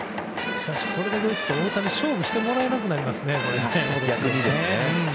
しかしこれだけ打つと大谷、勝負してもらえなくなりますね。